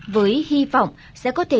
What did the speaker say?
với hy vọng sẽ có thể